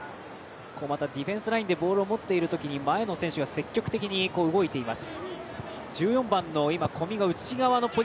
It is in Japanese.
ディフェンスラインでボールを持っているときに前の選手が積極的に動いています。